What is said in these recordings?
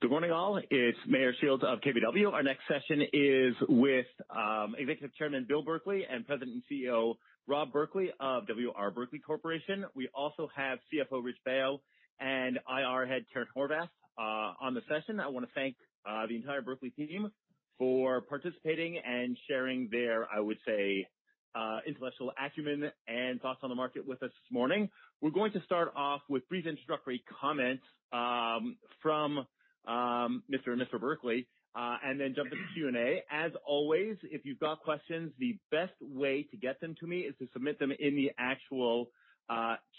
Good morning all. It's Meyer Shields of KBW. Our next session is with Executive Chairman, Bill Berkley, and President and CEO, Rob Berkley, of W. R. Berkley Corporation. We also have CFO Rich Baio and IR Head Karen Horvath on the session. I want to thank the entire Berkley team for participating and sharing their intellectual acumen and thoughts on the market with us this morning. We're going to start off with brief introductory comments from Mr. and Mr. Berkley, then jump into Q&A. As always, if you've got questions, the best way to get them to me is to submit them in the actual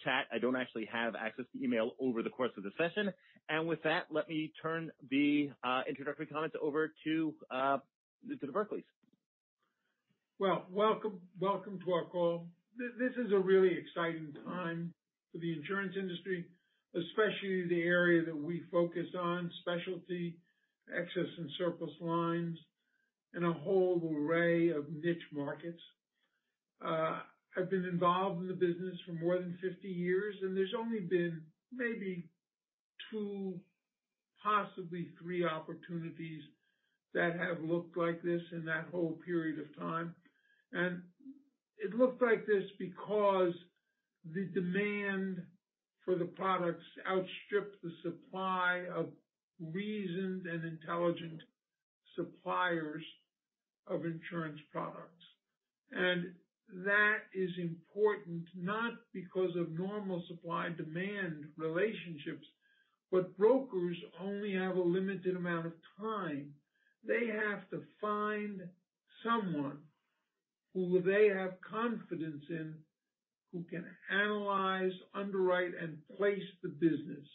chat. I don't actually have access to email over the course of the session. With that, let me turn the introductory comments over to the Berkleys. Well, welcome to our call. This is a really exciting time for the insurance industry, especially the area that we focus on, specialty, excess and surplus lines, and a whole array of niche markets. I've been involved in the business for more than 50 years, there's only been maybe two, possibly three opportunities that have looked like this in that whole period of time. It looked like this because the demand for the products outstripped the supply of reasoned and intelligent suppliers of insurance products. That is important, not because of normal supply-demand relationships, but brokers only have a limited amount of time. They have to find someone who they have confidence in, who can analyze, underwrite, and place the business.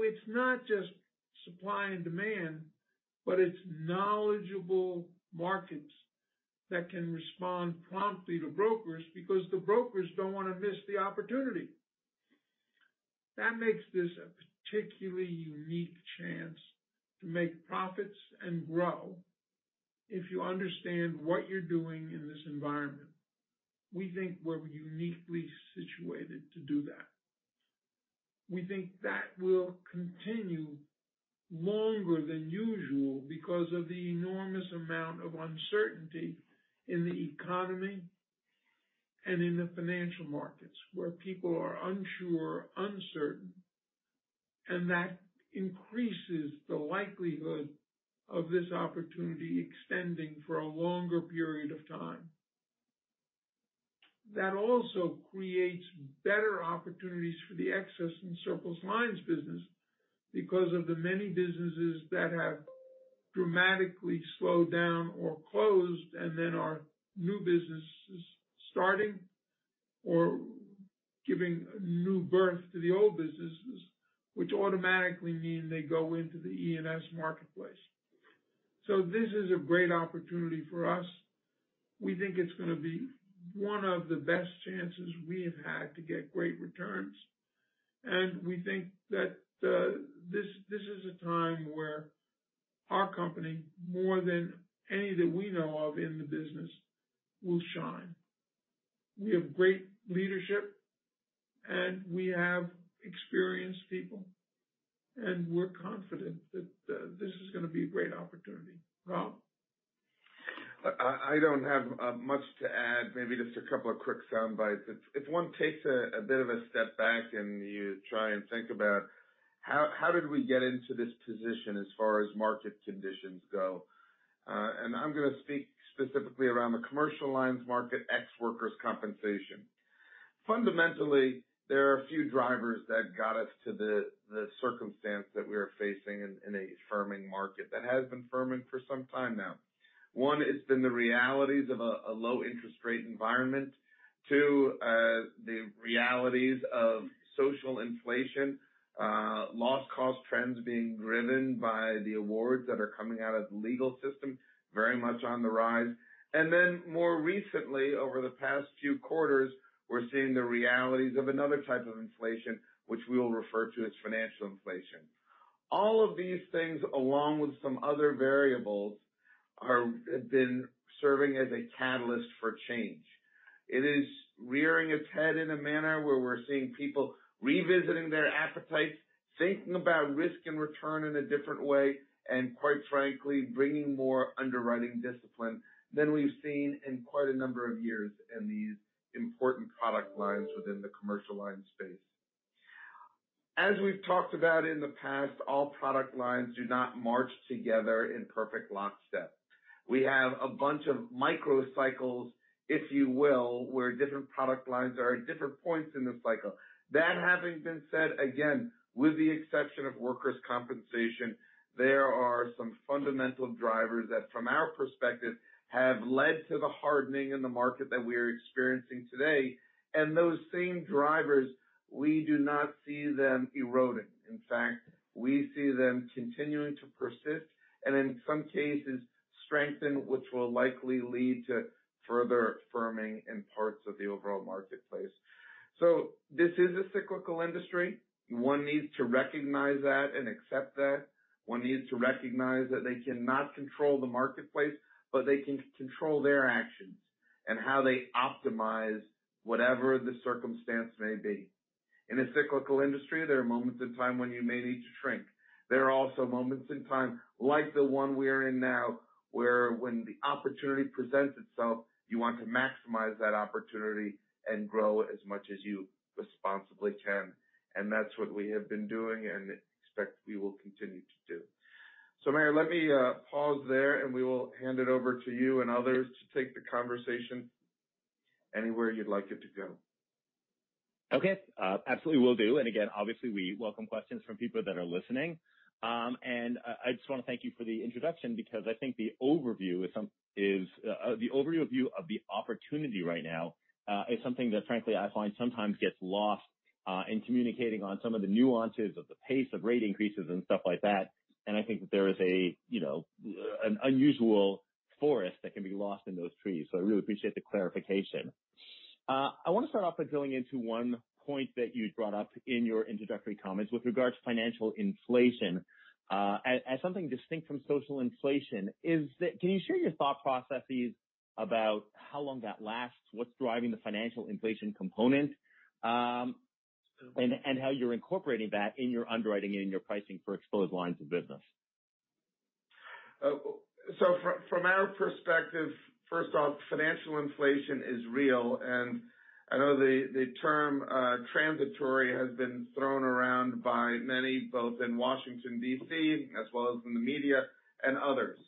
It's not just supply and demand, but it's knowledgeable markets that can respond promptly to brokers because the brokers don't want to miss the opportunity. That makes this a particularly unique chance to make profits and grow if you understand what you're doing in this environment. We think we're uniquely situated to do that. We think that will continue longer than usual because of the enormous amount of uncertainty in the economy and in the financial markets, where people are unsure, uncertain, and that increases the likelihood of this opportunity extending for a longer period of time. That also creates better opportunities for the excess and surplus lines business because of the many businesses that have dramatically slowed down or closed and then are new businesses starting or giving new birth to the old businesses, which automatically mean they go into the Excess and Surplus marketplace. This is a great opportunity for us. We think it's going to be one of the best chances we have had to get great returns, we think that this is a time where our company, more than any that we know of in the business, will shine. We have great leadership, we have experienced people, we're confident that this is going to be a great opportunity. Rob? I don't have much to add, maybe just a couple of quick soundbites. If one takes a bit of a step back and you try and think about how did we get into this position as far as market conditions go. I'm going to speak specifically around the commercial lines market, ex Workers' Compensation. Fundamentally, there are a few drivers that got us to the circumstance that we are facing in a firming market, that has been firming for some time now. One, it's been the realities of a low interest rate environment. Two, the realities of social inflation, loss cost trends being driven by the awards that are coming out of the legal system, very much on the rise. Then more recently, over the past few quarters, we're seeing the realities of another type of inflation, which we will refer to as financial inflation. All of these things, along with some other variables, have been serving as a catalyst for change. It is rearing its head in a manner where we're seeing people revisiting their appetites, thinking about risk and return in a different way. Quite frankly, bringing more underwriting discipline than we've seen in quite a number of years in these important product lines within the commercial lines space. As we've talked about in the past, all product lines do not march together in perfect lockstep. We have a bunch of micro cycles, if you will, where different product lines are at different points in the cycle. That having been said, again, with the exception of Workers' Compensation, there are some fundamental drivers that from our perspective, have led to the hardening in the market that we are experiencing today. Those same drivers, we do not see them eroding. In fact, we see them continuing to persist, and in some cases strengthen, which will likely lead to further firming in parts of the overall marketplace. This is a cyclical industry. One needs to recognize that and accept that. One needs to recognize that they cannot control the marketplace, but they can control their actions. How they optimize whatever the circumstance may be. In a cyclical industry, there are moments in time when you may need to shrink. There are also moments in time, like the one we are in now, where when the opportunity presents itself, you want to maximize that opportunity and grow as much as you responsibly can. That's what we have been doing and expect we will continue to do. Meyer, let me pause there. We will hand it over to you and others to take the conversation anywhere you'd like it to go. Okay. Absolutely will do. Again, obviously, we welcome questions from people that are listening. I just want to thank you for the introduction because I think the overview of the opportunity right now is something that frankly, I find sometimes gets lost in communicating on some of the nuances of the pace of rate increases and stuff like that. I think that there is an unusual forest that can be lost in those trees. I really appreciate the clarification. I want to start off by drilling into one point that you brought up in your introductory comments with regards to financial inflation. As something distinct from social inflation, can you share your thought processes about how long that lasts, what's driving the financial inflation component, and how you're incorporating that in your underwriting and in your pricing for exposed lines of business? From our perspective, first off, financial inflation is real, I know the term transitory has been thrown around by many, both in Washington, D.C., as well as in the media and others.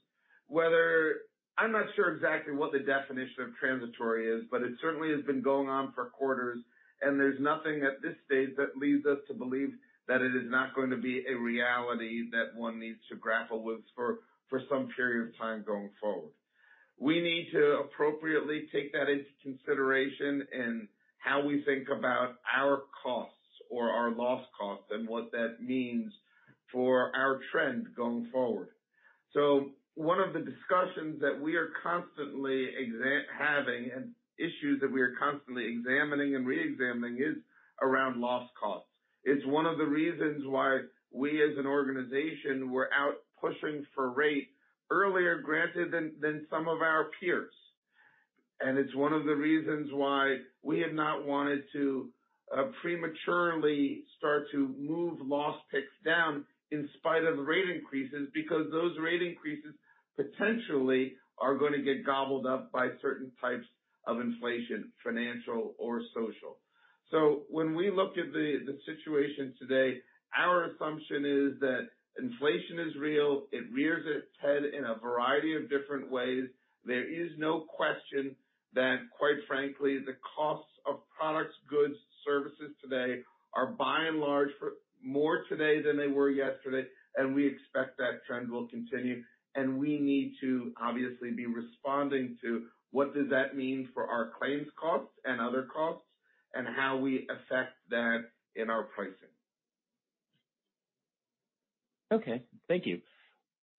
I'm not sure exactly what the definition of transitory is, but it certainly has been going on for quarters, there's nothing at this stage that leads us to believe that it is not going to be a reality that one needs to grapple with for some period of time going forward. We need to appropriately take that into consideration in how we think about our costs or our loss costs and what that means for our trend going forward. One of the discussions that we are constantly having and issues that we are constantly examining and re-examining is around loss cost. It's one of the reasons why we, as an organization, were out pushing for rate earlier, granted, than some of our peers. It's one of the reasons why we have not wanted to prematurely start to move loss picks down in spite of the rate increases because those rate increases potentially are going to get gobbled up by certain types of inflation, financial or social. When we look at the situation today, our assumption is that inflation is real. It rears its head in a variety of different ways. There is no question that, quite frankly, the costs of products, goods, services today are by and large, more today than they were yesterday, and we expect that trend will continue. We need to obviously be responding to what does that mean for our claims costs and other costs and how we affect that in our pricing. Okay. Thank you.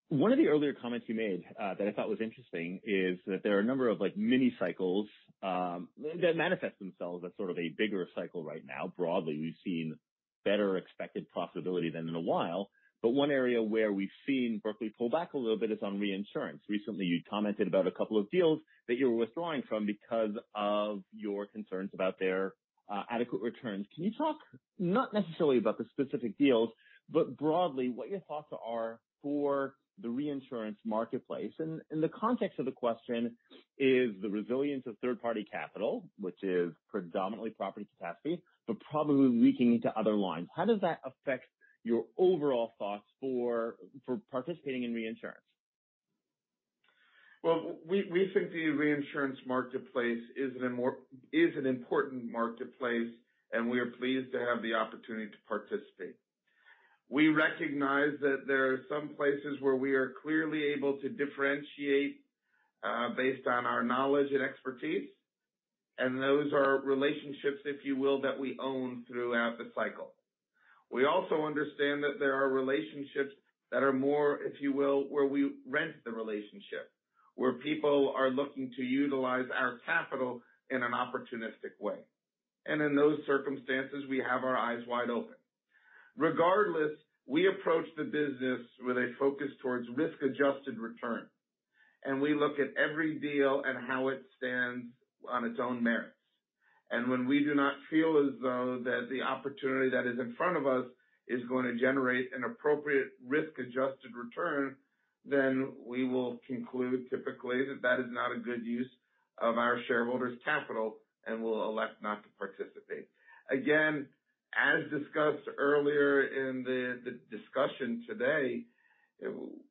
One of the earlier comments you made that I thought was interesting is that there are a number of micro cycles that manifest themselves as sort of a bigger cycle right now. Broadly, we've seen better expected profitability than in a while, but one area where we've seen Berkley pull back a little bit is on reinsurance. Recently, you commented about a couple of deals that you were withdrawing from because of your concerns about their adequate returns. Can you talk, not necessarily about the specific deals, but broadly what your thoughts are for the reinsurance marketplace? The context of the question is the resilience of third-party capital, which is predominantly property capacity, but probably leaking into other lines. How does that affect your overall thoughts for participating in reinsurance? Well, we think the reinsurance marketplace is an important marketplace, and we are pleased to have the opportunity to participate. We recognize that there are some places where we are clearly able to differentiate based on our knowledge and expertise, and those are relationships, if you will, that we own throughout the cycle. We also understand that there are relationships that are more, if you will, where we rent the relationship, where people are looking to utilize our capital in an opportunistic way. In those circumstances, we have our eyes wide open. Regardless, we approach the business with a focus towards risk-adjusted return, and we look at every deal and how it stands on its own merits. When we do not feel as though that the opportunity that is in front of us is going to generate an appropriate risk-adjusted return, then we will conclude typically that that is not a good use of our shareholders' capital, and we'll elect not to participate. Again, as discussed earlier in the discussion today,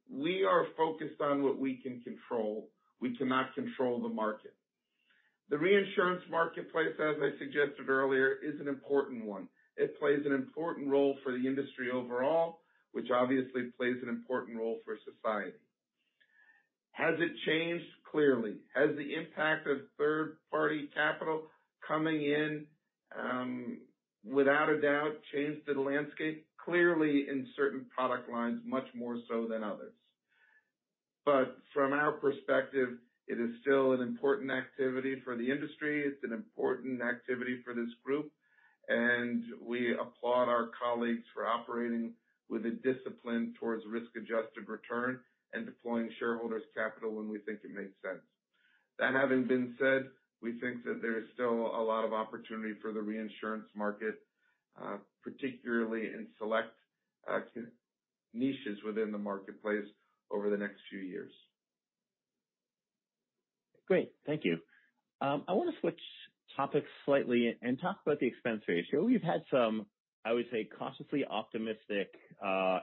we are focused on what we can control. We cannot control the market. The reinsurance marketplace, as I suggested earlier, is an important one. It plays an important role for the industry overall, which obviously plays an important role for society. Has it changed? Clearly. Has the impact of third-party capital coming in, without a doubt, changed the landscape? Clearly, in certain product lines, much more so than others. From our perspective, it is still an important activity for the industry. It's an important activity for this group. We applaud our colleagues for operating with a discipline towards risk-adjusted return and deploying shareholders' capital when we think it makes sense. That having been said, we think that there is still a lot of opportunity for the reinsurance market, particularly in select niches within the marketplace over the next few years. Great. Thank you. I want to switch topics slightly and talk about the expense ratio. You've had some, I would say, cautiously optimistic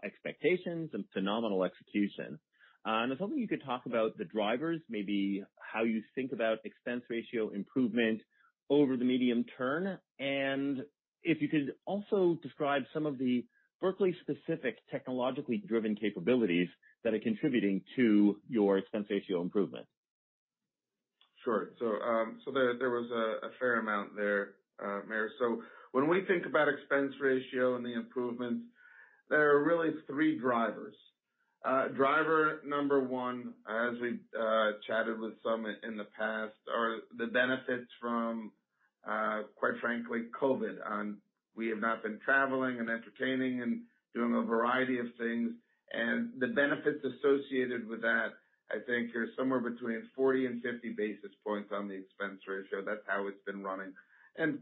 expectations and phenomenal execution. If only you could talk about the drivers, maybe how you think about expense ratio improvement over the medium term, and if you could also describe some of the Berkley-specific technologically driven capabilities that are contributing to your expense ratio improvement. Sure. There was a fair amount there, Meyer. When we think about expense ratio and the improvements, there are really three drivers. Driver number one, as we chatted with some in the past, are the benefits from, quite frankly, COVID on we have not been traveling and entertaining and doing a variety of things. The benefits associated with that, I think, are somewhere between 40 and 50 basis points on the expense ratio. That's how it's been running.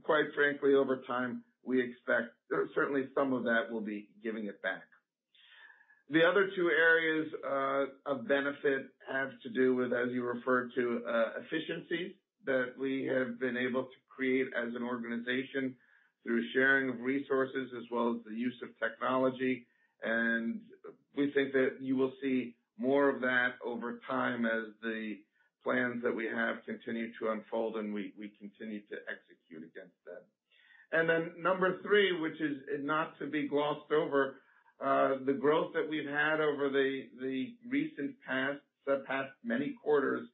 Quite frankly, over time, we expect certainly some of that we'll be giving it back. The other two areas of benefit have to do with, as you referred to, efficiencies that we have been able to create as an organization through sharing of resources as well as the use of technology. We think that you will see more of that over time as the plans that we have continue to unfold and we continue to execute against them. Then number 3, which is not to be glossed over, the growth that we've had over the recent past, the past many quarters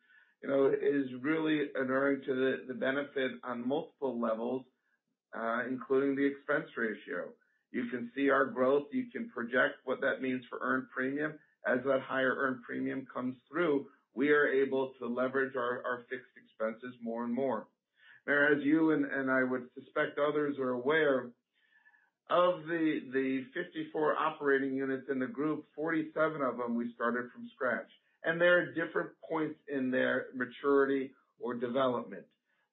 is really inuring to the benefit on multiple levels, including the expense ratio. You can see our growth. You can project what that means for earned premium. As that higher earned premium comes through, we are able to leverage our fixed expenses more and more. Meyer, as you and I would suspect others are aware, of the 54 operating units in the group, 47 of them we started from scratch, and they're at different points in their maturity or development.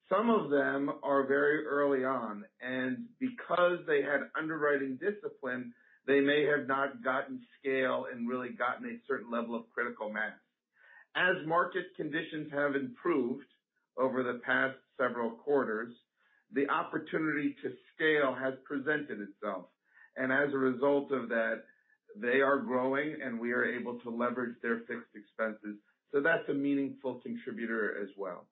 Some of them are very early on, and because they had underwriting discipline, they may have not gotten scale and really gotten a certain level of critical mass. As market conditions have improved over the past several quarters, the opportunity to scale has presented itself, and as a result of that, they are growing, and we are able to leverage their fixed expenses. That's a meaningful contributor as well.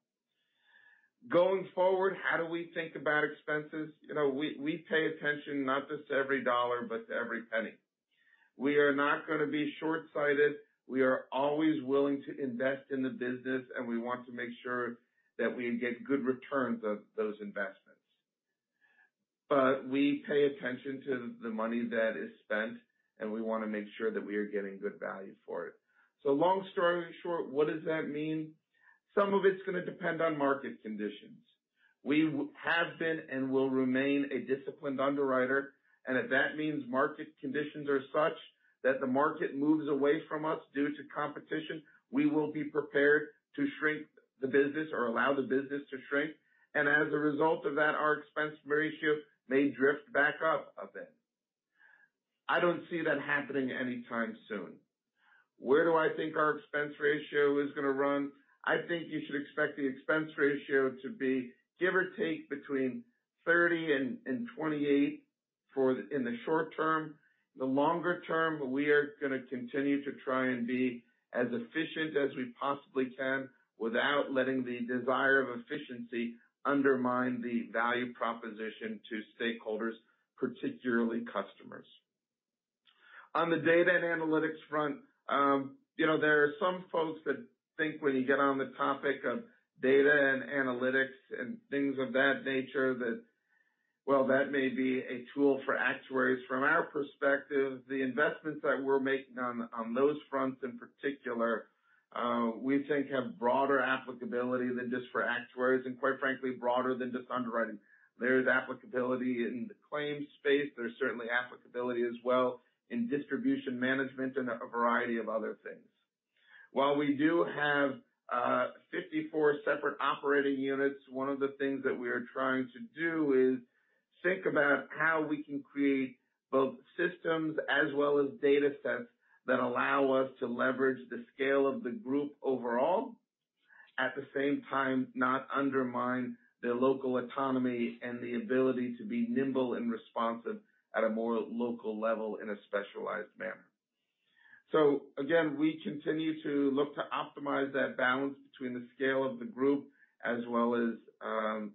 Going forward, how do we think about expenses? We pay attention not just to every dollar, but to every penny. We are not going to be shortsighted. We are always willing to invest in the business, and we want to make sure that we get good returns on those investments. We pay attention to the money that is spent, and we want to make sure that we are getting good value for it. Long story short, what does that mean? Some of it's going to depend on market conditions. We have been and will remain a disciplined underwriter, and if that means market conditions are such that the market moves away from us due to competition, we will be prepared to shrink the business or allow the business to shrink. As a result of that, our expense ratio may drift back up a bit. I don't see that happening anytime soon. Where do I think our expense ratio is going to run? I think you should expect the expense ratio to be give or take between 30 and 28 in the short term. The longer term, we are going to continue to try and be as efficient as we possibly can without letting the desire of efficiency undermine the value proposition to stakeholders, particularly customers. On the data and analytics front, there are some folks that think when you get on the topic of data and analytics and things of that nature, that may be a tool for actuaries. From our perspective, the investments that we're making on those fronts in particular, we think have broader applicability than just for actuaries, and quite frankly, broader than just underwriting. There's applicability in the claims space. There's certainly applicability as well in distribution management and a variety of other things. While we do have 54 separate operating units, one of the things that we are trying to do is think about how we can create both systems as well as datasets that allow us to leverage the scale of the group overall, at the same time, not undermine the local autonomy and the ability to be nimble and responsive at a more local level in a specialized manner. Again, we continue to look to optimize that balance between the scale of the group as well as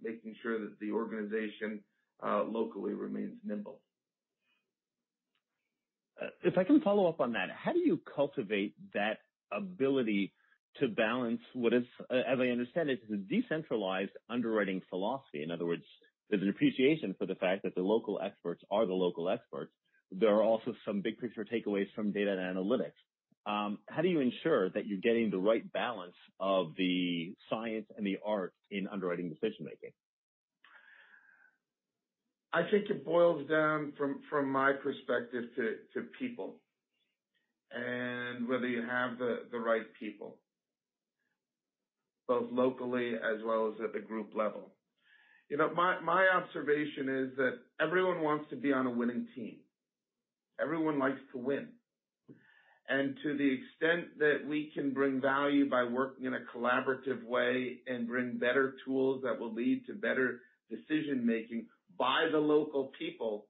making sure that the organization locally remains nimble. If I can follow up on that, how do you cultivate that ability to balance what is, as I understand it, is a decentralized underwriting philosophy? In other words, there's an appreciation for the fact that the local experts are the local experts. There are also some big-picture takeaways from data and analytics. How do you ensure that you're getting the right balance of the science and the art in underwriting decision-making? I think it boils down, from my perspective, to people, and whether you have the right people, both locally as well as at the group level. My observation is that everyone wants to be on a winning team. Everyone likes to win. To the extent that we can bring value by working in a collaborative way and bring better tools that will lead to better decision-making by the local people,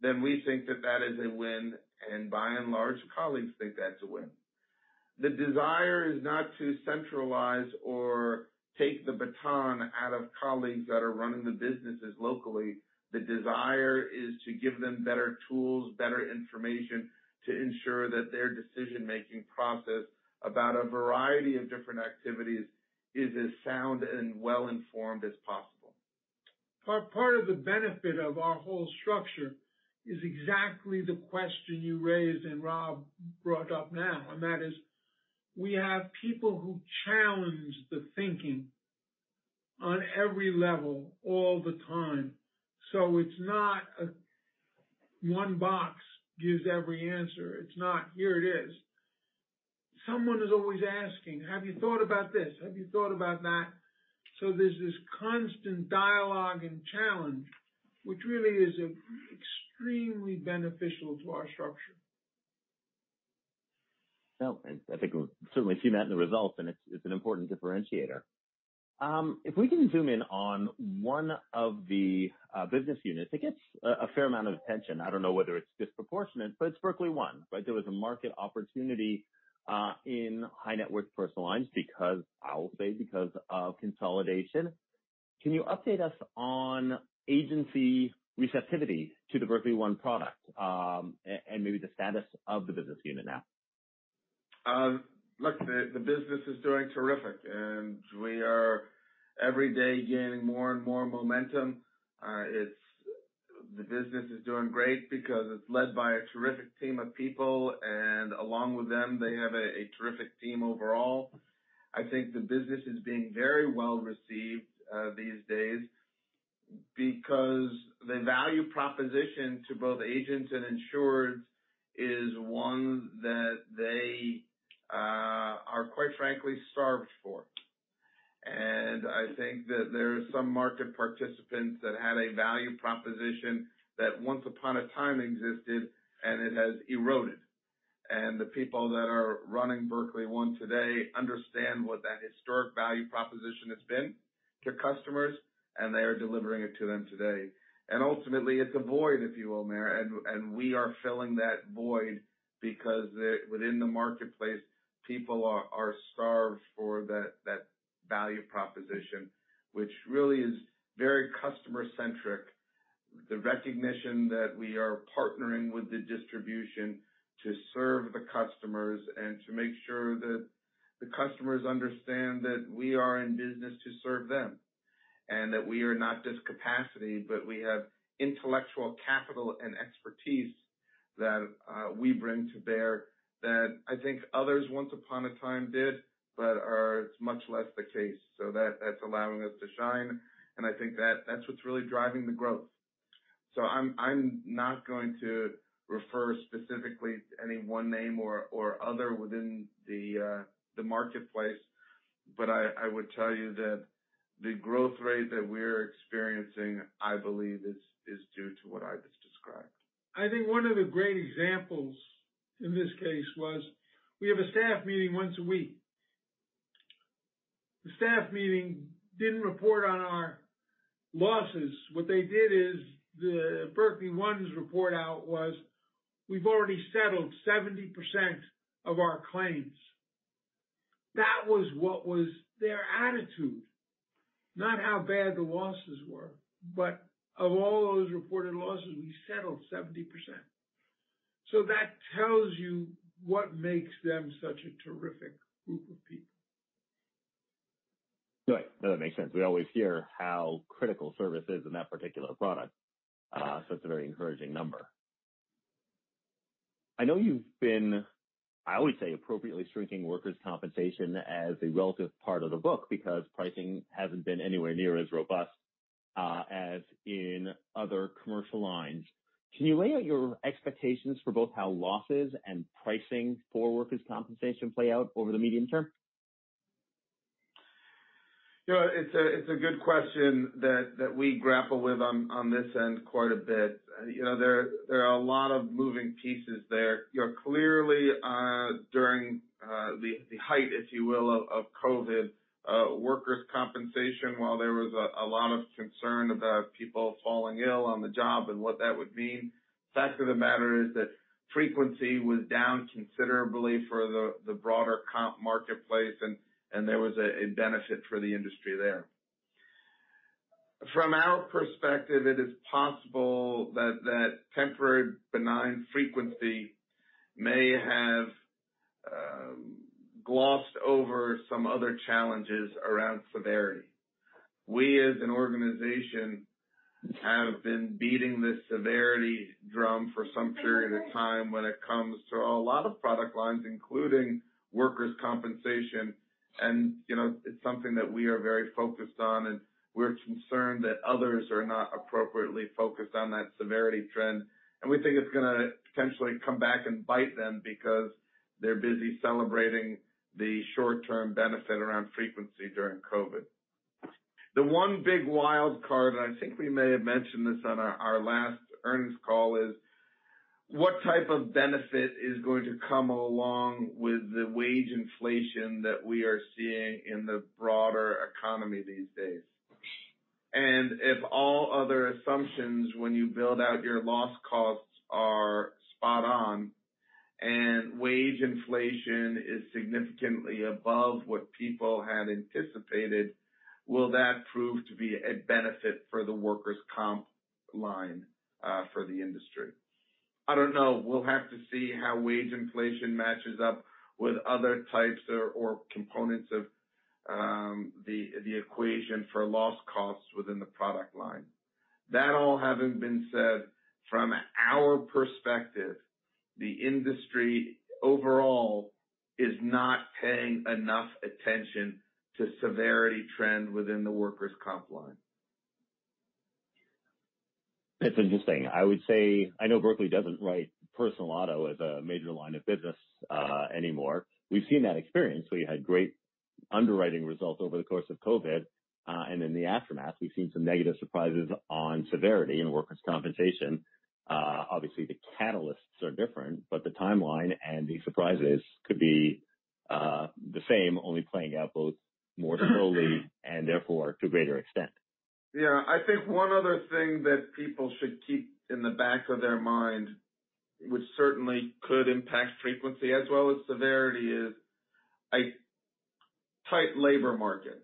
then we think that that is a win, and by and large, colleagues think that's a win. The desire is not to centralize or take the baton out of colleagues that are running the businesses locally. The desire is to give them better tools, better information to ensure that their decision-making process about a variety of different activities is as sound and well-informed as possible. Part of the benefit of our whole structure is exactly the question you raised and Rob brought up now, and that is, we have people who challenge the thinking on every level all the time. It's not one box gives every answer. It's not, "Here it is." Someone is always asking, "Have you thought about this? Have you thought about that?" There's this constant dialogue and challenge, which really is extremely beneficial to our structure. Well, I think we certainly see that in the results, it's an important differentiator. If we can zoom in on one of the business units, it gets a fair amount of attention. I don't know whether it's disproportionate, but it's Berkley One, right? There was a market opportunity in high-net-worth personal lines, I will say, because of consolidation. Can you update us on agency receptivity to the Berkley One product? Maybe the status of the business unit now. Look, the business is doing terrific, we are every day gaining more and more momentum. The business is doing great because it's led by a terrific team of people, along with them, they have a terrific team overall. I think the business is being very well-received these days because the value proposition to both agents and insureds is one that they are, quite frankly, starved for. I think that there are some market participants that had a value proposition that once upon a time existed, it has eroded. The people that are running Berkley One today understand what that historic value proposition has been to customers, they are delivering it to them today. Ultimately, it's a void, if you will, Meyer, we are filling that void because within the marketplace, people are starved for that value proposition, which really is very customer-centric. The recognition that we are partnering with the distribution to serve the customers and to make sure that the customers understand that we are in business to serve them, and that we are not just capacity, but we have intellectual capital and expertise that we bring to bear that I think others once upon a time did, but it's much less the case. That's allowing us to shine, and I think that's what's really driving the growth. I'm not going to refer specifically to any one name or other within the marketplace, but I would tell you that the growth rate that we're experiencing, I believe, is due to what I just described. I think one of the great examples in this case was we have a staff meeting once a week. The staff meeting didn't report on our losses. What they did is the Berkley One's report out was, we've already settled 70% of our claims. That was what was their attitude, not how bad the losses were. Of all those reported losses, we settled 70%. That tells you what makes them such a terrific group of people. Right. No, that makes sense. We always hear how critical service is in that particular product. It's a very encouraging number. I know you've been, I always say, appropriately shrinking workers' compensation as a relative part of the book because pricing hasn't been anywhere near as robust as in other commercial lines. Can you lay out your expectations for both how losses and pricing for workers' compensation play out over the medium term? It's a good question that we grapple with on this end quite a bit. There are a lot of moving pieces there. Clearly, during the height, if you will, of COVID, workers' compensation, while there was a lot of concern about people falling ill on the job and what that would mean, fact of the matter is that frequency was down considerably for the broader comp marketplace, and there was a benefit for the industry there. From our perspective, it is possible that temporary benign frequency may have glossed over some other challenges around severity. We, as an organization, have been beating this severity drum for some period of time when it comes to a lot of product lines, including workers' compensation, and it's something that we are very focused on, and we're concerned that others are not appropriately focused on that severity trend. We think it's going to potentially come back and bite them because they're busy celebrating the short-term benefit around frequency during COVID. The one big wild card, and I think we may have mentioned this on our last earnings call, is what type of benefit is going to come along with the wage inflation that we are seeing in the broader economy these days. If all other assumptions, when you build out your loss costs, are spot on, and wage inflation is significantly above what people had anticipated, will that prove to be a benefit for the workers' comp line for the industry? I don't know. We'll have to see how wage inflation matches up with other types or components of the equation for loss costs within the product line. That all having been said, from our perspective, the industry overall is not paying enough attention to severity trend within the workers' comp line. That's interesting. I would say, I know Berkley doesn't write personal auto as a major line of business anymore. We've seen that experience. We had great underwriting results over the course of COVID, and in the aftermath, we've seen some negative surprises on severity in workers' compensation. Obviously, the catalysts are different, but the timeline and the surprises could be the same, only playing out both more slowly and therefore to a greater extent. I think one other thing that people should keep in the back of their mind, which certainly could impact frequency as well as severity, is a tight labor market.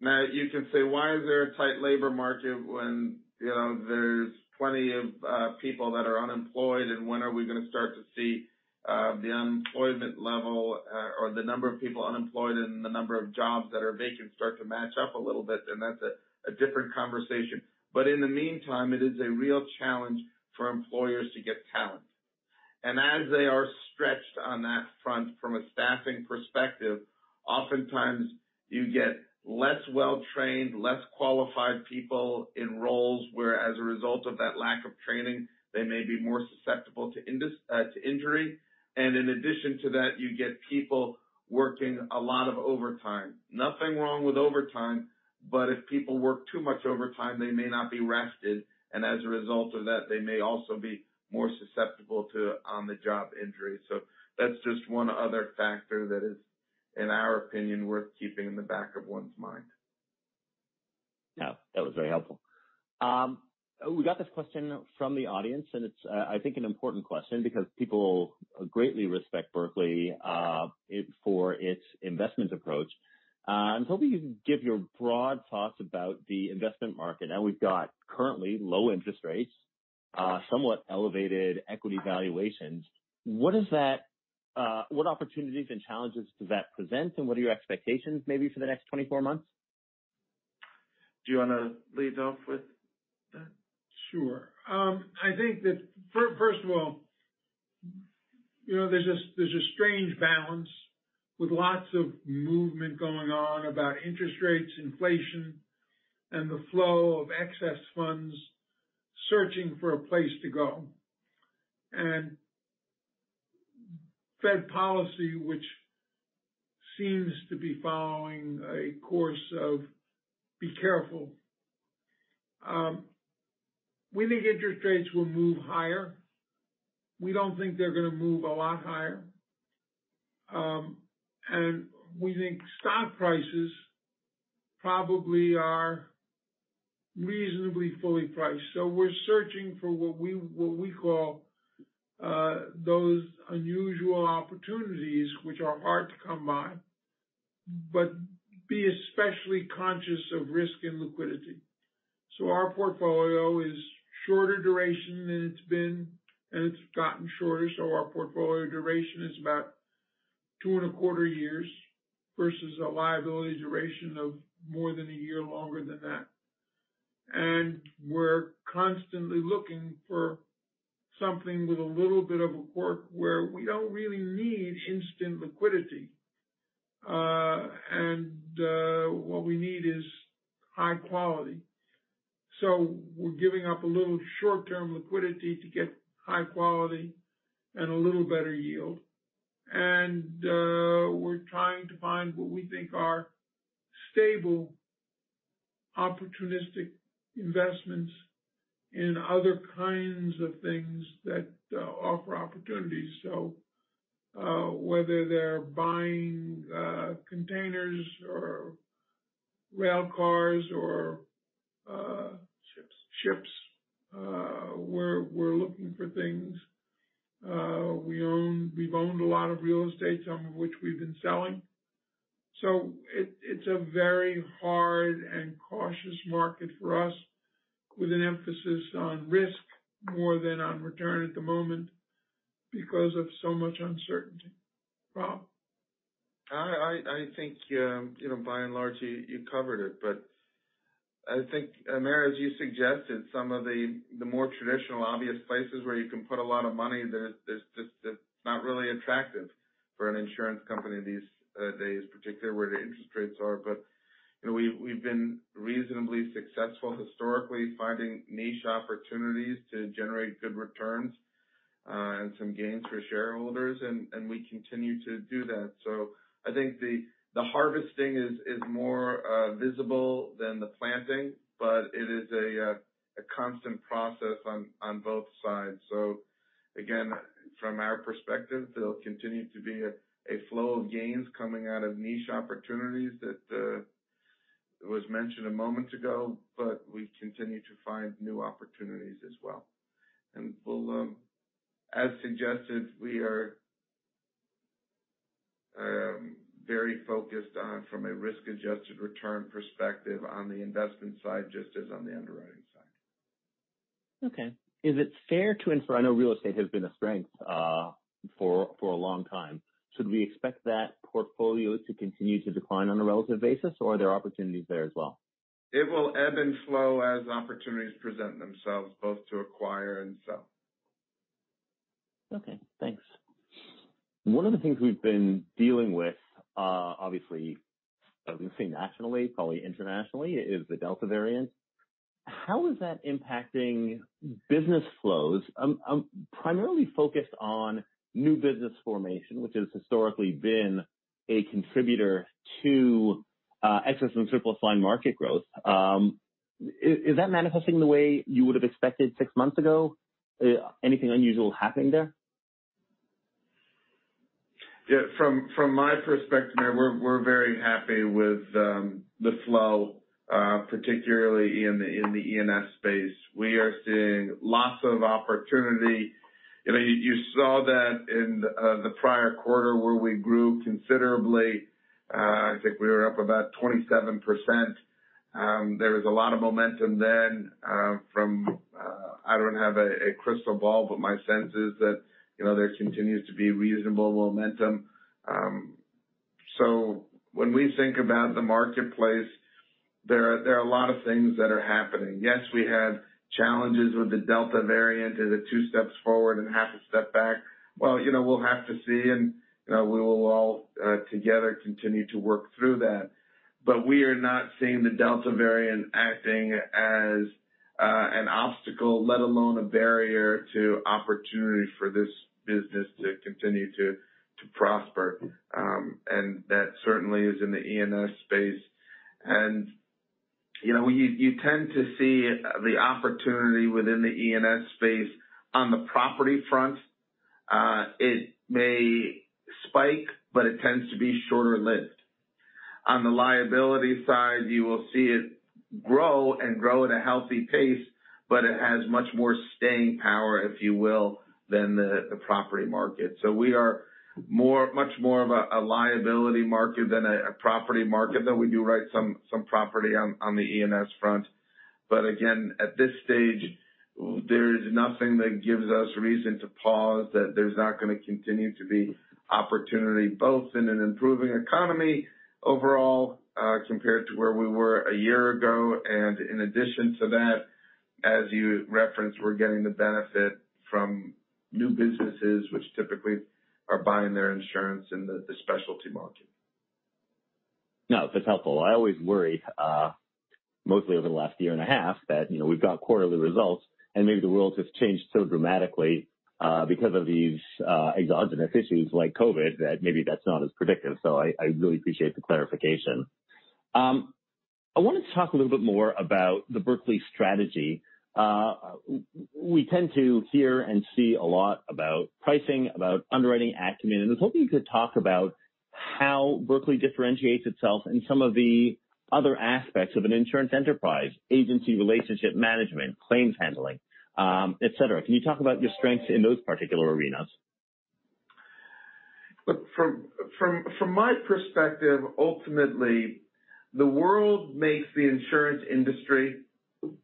You can say, "Why is there a tight labor market when there's plenty of people that are unemployed? When are we going to start to see the unemployment level or the number of people unemployed and the number of jobs that are vacant start to match up a little bit?" That's a different conversation. In the meantime, it is a real challenge for employers to get talent. As they are stretched on that front from a staffing perspective, oftentimes you get less well-trained, less qualified people in roles where, as a result of that lack of training, they may be more susceptible to injury. In addition to that, you get people working a lot of overtime. Nothing wrong with overtime, but if people work too much overtime, they may not be rested, and as a result of that, they may also be more susceptible to on-the-job injury. That's just one other factor that is, in our opinion, worth keeping in the back of one's mind. Yeah, that was very helpful. We got this question from the audience, and it's, I think, an important question because people greatly respect Berkley for its investment approach. I'm hoping you can give your broad thoughts about the investment market. Now we've got currently low interest rates, somewhat elevated equity valuations. What opportunities and challenges does that present, and what are your expectations maybe for the next 24 months? Do you want to lead off with that? Sure. I think that first of all, there's a strange balance with lots of movement going on about interest rates, inflation, and the flow of excess funds searching for a place to go. Fed policy, which seems to be following a course of be careful. We think interest rates will move higher. We don't think they're going to move a lot higher. We think stock prices probably are reasonably fully priced. We're searching for what we call those unusual opportunities, which are hard to come by, but be especially conscious of risk and liquidity. Our portfolio is shorter duration than it's been, and it's gotten shorter. Our portfolio duration is about two and a quarter years versus a liability duration of more than one year longer than that. We're constantly looking for something with a little bit of a quirk where we don't really need instant liquidity, and what we need is high quality. We're giving up a little short-term liquidity to get high quality and a little better yield. We're trying to find what we think are stable, opportunistic investments in other kinds of things that offer opportunities. Whether they're buying containers or rail cars or Ships ships, we're looking for things. We've owned a lot of real estate, some of which we've been selling. It's a very hard and cautious market for us, with an emphasis on risk more than on return at the moment because of so much uncertainty. Rob? I think by and large, you covered it. I think, Meyer, as you suggested, some of the more traditional, obvious places where you can put a lot of money, that's just not really attractive for an insurance company these days, particularly where the interest rates are. We've been reasonably successful historically finding niche opportunities to generate good returns, and some gains for shareholders, and we continue to do that. I think the harvesting is more visible than the planting, but it is a constant process on both sides. Again, from our perspective, there'll continue to be a flow of gains coming out of niche opportunities that was mentioned a moment ago, but we continue to find new opportunities as well. As suggested, we are very focused on, from a risk-adjusted return perspective, on the investment side, just as on the underwriting side. Okay. Is it fair to infer? I know real estate has been a strength for a long time. Should we expect that portfolio to continue to decline on a relative basis, or are there opportunities there as well? It will ebb and flow as opportunities present themselves, both to acquire and sell. Okay, thanks. One of the things we've been dealing with, obviously, I was going to say nationally, probably internationally, is the Delta variant. How is that impacting business flows? I'm primarily focused on new business formation, which has historically been a contributor to excess and surplus line market growth. Is that manifesting the way you would've expected six months ago? Anything unusual happening there? From my perspective, Amar, we're very happy with the flow, particularly in the E&S space. We are seeing lots of opportunity. You saw that in the prior quarter where we grew considerably. I think we were up about 27%. There was a lot of momentum then from I don't have a crystal ball, but my sense is that there continues to be reasonable momentum. When we think about the marketplace, there are a lot of things that are happening. Yes, we have challenges with the Delta variant. Is it two steps forward and half a step back? Well, we'll have to see, and we will all together continue to work through that. We are not seeing the Delta variant acting as an obstacle, let alone a barrier, to opportunity for this business to continue to prosper. That certainly is in the E&S space. You tend to see the opportunity within the E&S space on the property front. It may spike, but it tends to be shorter-lived. On the liability side, you will see it grow and grow at a healthy pace, but it has much more staying power, if you will, than the property market. We are much more of a liability market than a property market, though we do write some property on the E&S front. Again, at this stage, there is nothing that gives us reason to pause, that there's not going to continue to be opportunity, both in an improving economy overall compared to where we were a year ago. In addition to that, as you referenced, we're getting the benefit from new businesses, which typically are buying their insurance in the specialty market. No, that's helpful. I always worry, mostly over the last year and a half, that we've got quarterly results, and maybe the world has changed so dramatically because of these exogenous issues like COVID, that maybe that's not as predictive. I really appreciate the clarification. I wanted to talk a little bit more about the Berkley strategy. We tend to hear and see a lot about pricing, about underwriting acumen. I was hoping you could talk about how Berkley differentiates itself in some of the other aspects of an insurance enterprise agency, relationship management, claims handling, et cetera. Can you talk about your strengths in those particular arenas? Look, from my perspective, ultimately, the world makes the insurance industry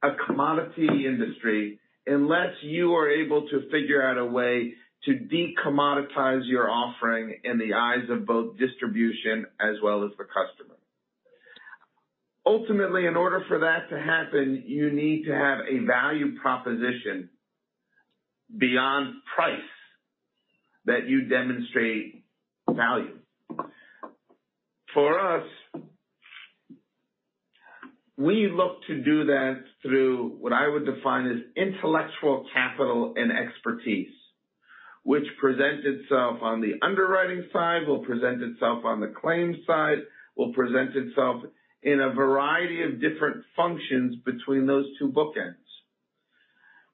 a commodity industry unless you are able to figure out a way to de-commoditize your offering in the eyes of both distribution as well as the customer. Ultimately, in order for that to happen, you need to have a value proposition beyond price that you demonstrate value. For us, we look to do that through what I would define as intellectual capital and expertise, which present itself on the underwriting side, will present itself on the claims side, will present itself in a variety of different functions between those two bookends.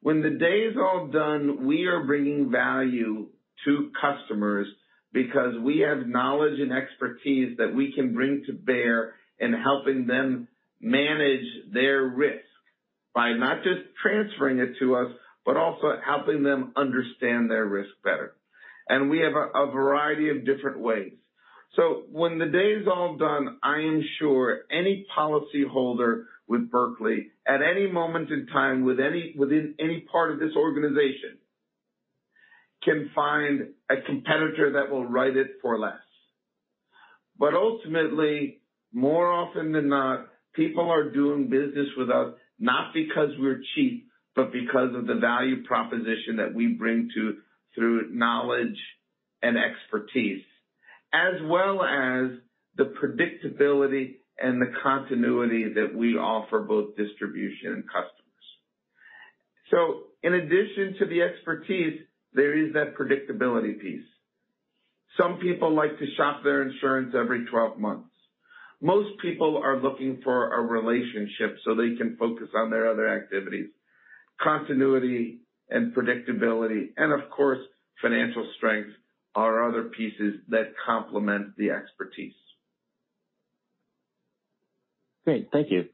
When the day is all done, we are bringing value to customers because we have knowledge and expertise that we can bring to bear in helping them manage their risk. By not just transferring it to us, but also helping them understand their risk better. We have a variety of different ways. When the day is all done, I ensure any policy holder with Berkley, at any moment in time, within any part of this organization, can find a competitor that will write it for less. Ultimately, more often than not, people are doing business with us not because we're cheap, but because of the value proposition that we bring through knowledge and expertise, as well as the predictability and the continuity that we offer both distribution and customers. In addition to the expertise, there is that predictability piece. Some people like to shop their insurance every 12 months. Most people are looking for a relationship so they can focus on their other activities. Continuity and predictability and, of course, financial strength are other pieces that complement the expertise. Great. Thank you.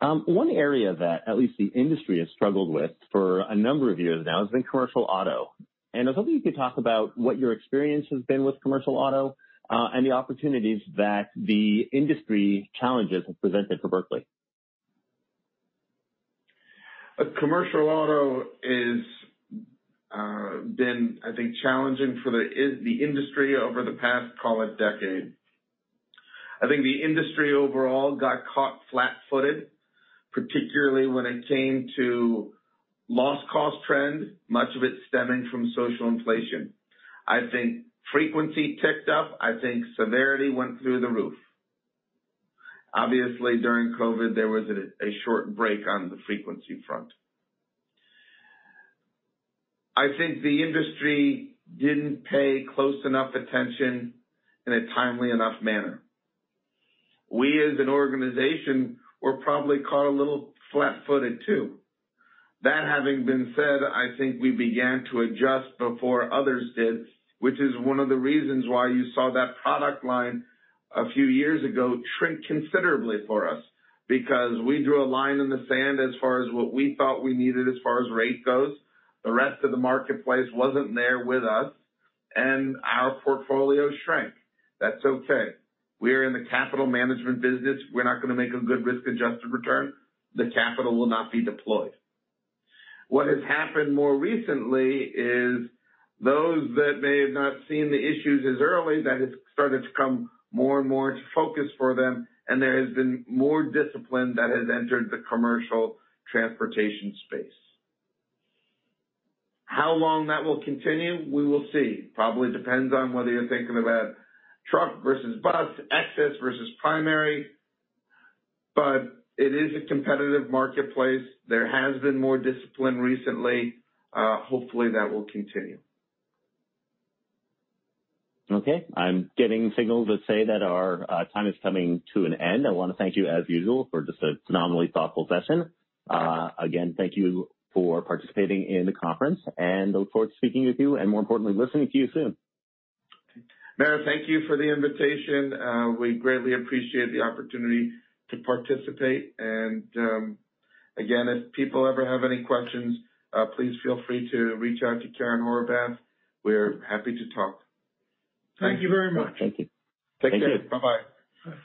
One area that at least the industry has struggled with for a number of years now has been commercial auto. I was hoping you could talk about what your experience has been with commercial auto and the opportunities that the industry challenges have presented for Berkley. Commercial auto has been, I think, challenging for the industry over the past, call it decade. I think the industry overall got caught flat-footed, particularly when it came to loss cost trend, much of it stemming from social inflation. I think frequency ticked up. I think severity went through the roof. Obviously, during COVID, there was a short break on the frequency front. I think the industry didn't pay close enough attention in a timely enough manner. We, as an organization, were probably caught a little flat-footed, too. That having been said, I think we began to adjust before others did, which is one of the reasons why you saw that product line a few years ago shrink considerably for us, because we drew a line in the sand as far as what we thought we needed as far as rate goes. The rest of the marketplace wasn't there with us, and our portfolio shrank. That's okay. We're in the capital management business. We're not going to make a good risk-adjusted return. The capital will not be deployed. What has happened more recently is those that may have not seen the issues as early, that has started to come more and more into focus for them, and there has been more discipline that has entered the commercial transportation space. How long that will continue, we will see. Probably depends on whether you're thinking about truck versus bus, excess versus primary, but it is a competitive marketplace. There has been more discipline recently. Hopefully, that will continue. Okay. I'm getting signaled to say that our time is coming to an end. I want to thank you, as usual, for just a phenomenally thoughtful session. Thank you for participating in the conference, and I look forward to speaking with you and, more importantly, listening to you soon. Meyer, thank you for the invitation. We greatly appreciate the opportunity to participate. Again, if people ever have any questions, please feel free to reach out to Karen Horvath. We're happy to talk. Thank you very much. Thank you. Take care. Bye-bye.